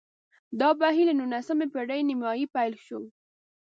دا بهیر له نولسمې پېړۍ نیمايي پیل شو